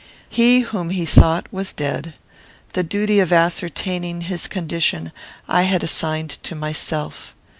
He whom he sought was dead. The duty of ascertaining his condition I had assigned to myself.